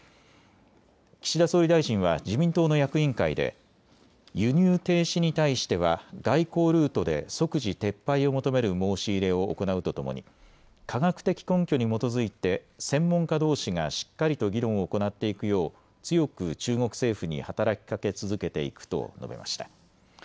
岸田総理大臣は自民党の役員会で輸入停止に対しては外交ルートで即時撤廃を求める申し入れを行うとともに科学的根拠に基づいて専門家どうしがしっかりと議論を行っていくよう強く中国政府に働きかけ続けていくと述べました。